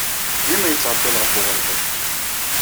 Dima yettɛeḍḍil ɣef uɣerbaz.